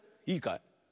いいかい？